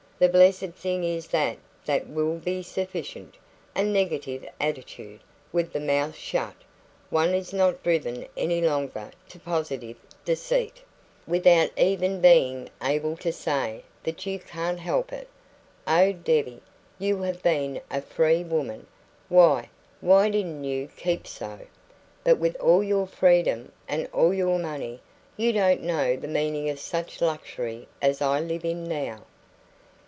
The blessed thing is that that will be sufficient a negative attitude, with the mouth shut; one is not driven any longer to positive deceit, without even being able to say that you can't help it. Oh, Debbie, you have been a free woman why, why didn't you keep so? but with all your freedom, and all your money, you don't know the meaning of such luxury as I live in now."